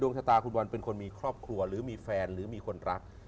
ชะตาคุณบอลเป็นคนมีครอบครัวหรือมีแฟนหรือมีคนรัก